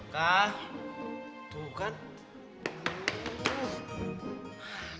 kak tuh kan